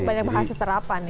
banyak bahasa serapan ya